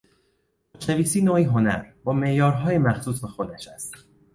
خوشنویسی نوعی هنر با معیارهای مخصوص به خودش است.